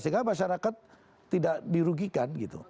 sehingga masyarakat tidak dirugikan gitu